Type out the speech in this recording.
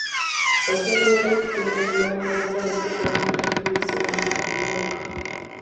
Okugula n'okutunda emigabo mu katale kukolebwa nga kuyisibwa mu ba bbulooka.